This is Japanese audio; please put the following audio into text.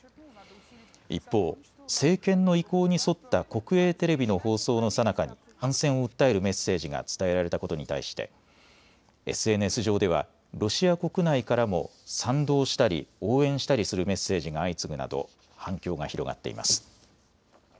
一方、政権の意向に沿った国営テレビの放送のさなかに反戦を訴えるメッセージが伝えられたことに対してＳＮＳ上ではロシア国内からも賛同したり、応援したりするメッセージが相次ぐなど反響が広がっています。